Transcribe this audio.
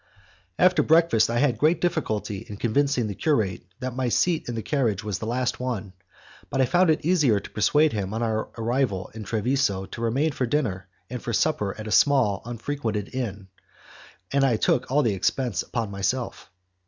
After breakfast I had great difficulty in convincing the curate that my seat in the carriage was the last one, but I found it easier to persuade him on our arrival in Treviso to remain for dinner and for supper at a small, unfrequented inn, as I took all the expense upon myself.